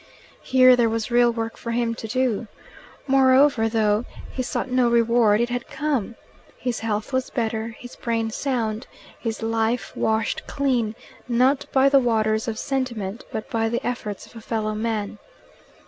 Here there was real work for him to do. Moreover, though he sought no reward, it had come. His health was better, his brain sound, his life washed clean, not by the waters of sentiment, but by the efforts of a fellow man.